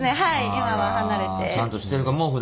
今は離れて。